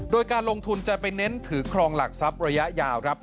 โดยการลงทุนจะไปเน้นถือครองหลักทรัพย์ระยะยาวครับ